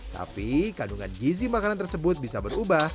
tapi kandungan gizi makanan tersebut bisa berubah